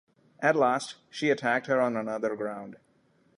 At last she attacked her on another ground.